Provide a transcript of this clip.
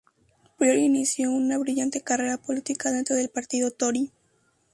Prior inició una brillante carrera política dentro del partido Tory.